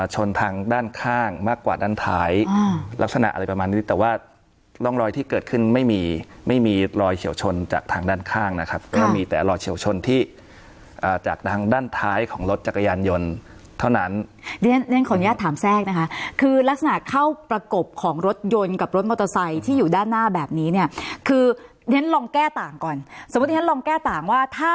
ชนทางด้านข้างมากกว่าด้านท้ายลักษณะอะไรประมาณนี้แต่ว่าร่องรอยที่เกิดขึ้นไม่มีไม่มีรอยเฉียวชนจากทางด้านข้างนะครับก็มีแต่รอยเฉียวชนที่จากทางด้านท้ายของรถจักรยานยนต์เท่านั้นขออนุญาตถามแทรกนะคะคือลักษณะเข้าประกบของรถยนต์กับรถมอเตอร์ไซค์ที่อยู่ด้านหน้าแบบนี้เนี่ยคือเรียนลองแก้ต่างก่อนสมมุติฉันลองแก้ต่างว่าถ้า